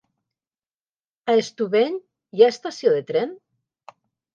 A Estubeny hi ha estació de tren?